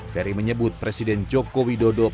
ferry menyebut presiden joko widodo